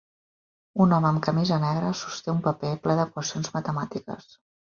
Un home amb camisa negra sosté un paper ple d'equacions matemàtiques.